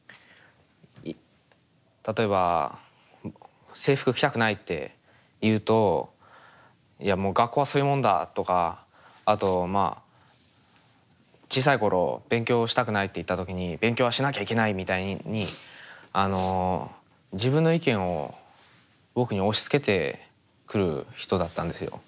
例えば制服着たくないって言うと学校はそういうもんだとかあとまあ小さい頃勉強したくないって言った時に勉強はしなきゃいけないみたいにあの自分の意見を僕に押しつけてくる人だったんですよ。